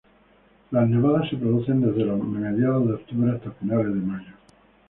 Las nevadas se producen desde los mediados de octubre hasta finales de mayo.